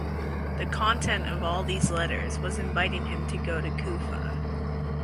The content of all these letters was inviting him to go to Kufa.